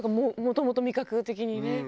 もともと味覚的にね。